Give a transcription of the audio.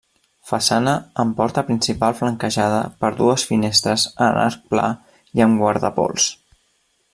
Façana amb porta principal flanquejada per dues finestres en arc pla i amb guardapols.